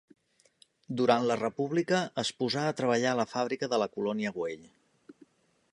Durant la República es posà a treballar a la fàbrica de la Colònia Güell.